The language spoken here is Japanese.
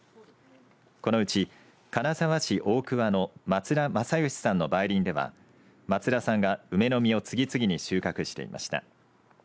このうち金沢市大桑の松田匡善さんの梅林では松田さんが梅の実を次々に収穫していました。